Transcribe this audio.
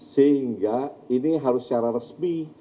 sehingga ini harus secara resmi